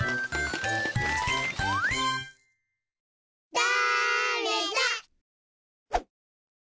だれだ？